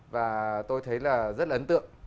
và tôi thấy là rất là ấn tượng